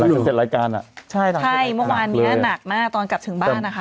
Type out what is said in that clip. ถึงเสร็จรายการอ่ะใช่นะใช่เมื่อวานเนี้ยหนักมากตอนกลับถึงบ้านนะคะ